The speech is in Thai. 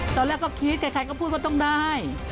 ตอนแรกก็คิดใครก็พูดว่าต้องได้